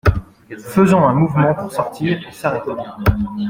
Faisant un mouvement pour sortir et s’arrêtant.